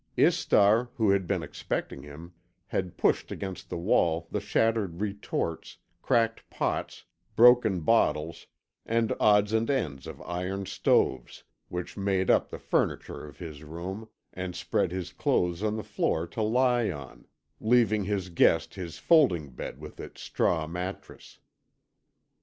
Istar, who had been expecting him, had pushed against the wall the shattered retorts, cracked pots, broken bottles, and odds and ends of iron stoves, which made up the furniture of his room, and spread his clothes on the floor to lie on, leaving his guest his folding bed with its straw mattress.